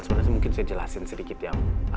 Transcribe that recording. sebenarnya mungkin saya jelasin sedikit yang